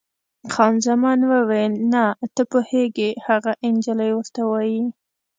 خان زمان وویل: نه، ته پوهېږې، هغه انجلۍ ورته وایي.